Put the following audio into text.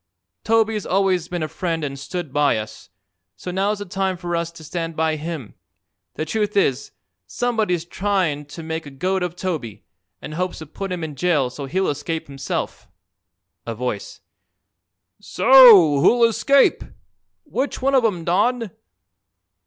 Toby's always been a friend an' stood by us, so now's the time for us to stand by him. The truth is, somebody's tryin' to make a goat of Toby, and hopes to put him in jail so he'll escape himself." A Voice: "So who'll escape? Which one of 'em, Don?"